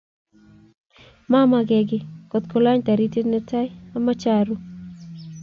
mamakekei kotkolany taritiet netai, amache aruu